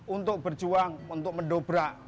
untuk berjuang untuk mendobrak